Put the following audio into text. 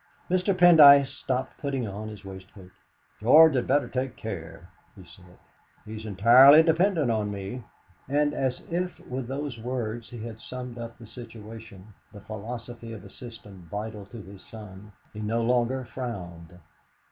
Mr. Pendyce stopped putting on his waist coat. "George had better take care," he said; "he's entirely dependent on me." And as if with those words he had summed up the situation, the philosophy of a system vital to his son, he no longer frowned.